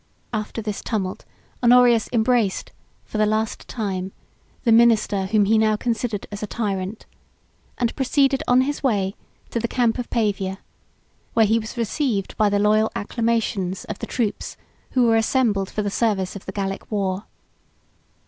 After this tumult, Honorius embraced, for the last time, the minister whom he now considered as a tyrant, and proceeded on his way to the camp of Pavia; where he was received by the loyal acclamations of the troops who were assembled for the service of the Gallic war.